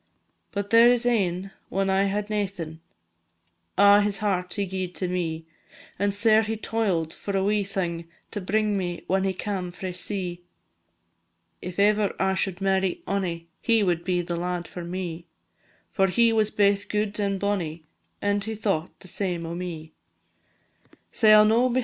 But there is ane, when I had naething, A' his heart he gi'ed to me; And sair he toil'd for a wee thing, To bring me when he cam frae sea. If ever I should marry ony, He will be the lad for me; For he was baith gude and bonny, And he thought the same o' me. Sae I 'll no, &c.